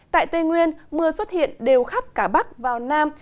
tại tây nguyên mưa xuất hiện đều khắp cả bắc vào nam